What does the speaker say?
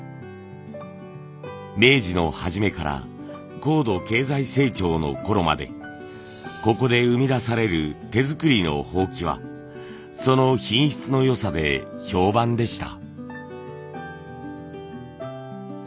明治の初めから高度経済成長のころまでここで生み出される手作りの箒はその品質の良さで評判でした。